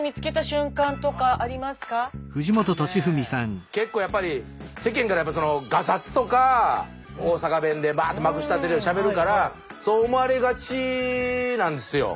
俺ね結構やっぱり世間からがさつとか大阪弁でバーッとまくしたてるようにしゃべるからそう思われがちなんですよ。